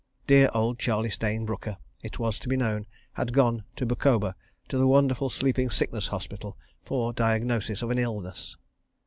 ... Dear old Charlie Stayne Brooker, it was to be known, had gone to Bukoba, to the wonderful sleeping sickness hospital, for diagnosis of an illness.